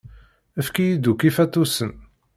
Efk-iyi-d akk ifatusen.